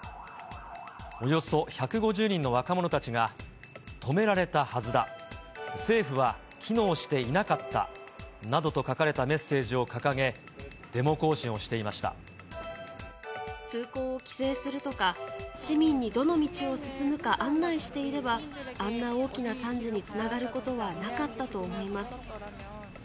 およそ１５０人の若者たちが、止められたはずだ、政府は機能していなかったなどと書かれたメッセージを掲げ、通行を規制するとか、市民にどの道を進むか案内していれば、あんな大きな惨事につながることはなかったと思います。